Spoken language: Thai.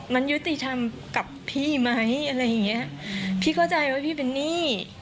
มันยุติธรรมกับพี่มั้ยพี่เข้าใจว่าพี่เป็นนี่